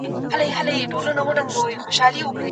دا ډول اشعار په مست ترنم سره ویل کېږي.